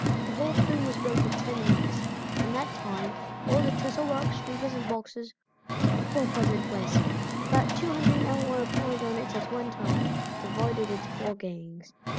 The whole flume was built in ten weeks. In that time all the trestle work, stringers and boxes were put in place. About 200 men were employed on it at one time, being divided into four gangs.